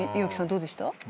どうでした？